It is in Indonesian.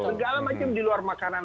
segala macam di luar makanan